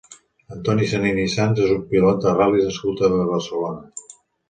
Antoni Zanini i Sans és un pilot de ral·lis nascut a Barcelona.